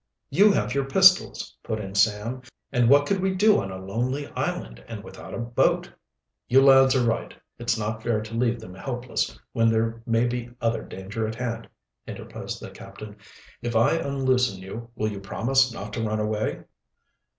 "You have your pistols," put in Sam. "And what could we do on a lonely island and without a boat?" "The lads are right it's not fair to leave them helpless when there may be other danger at hand," interposed the captain. "If I unloosen you, will you promise not to run away?"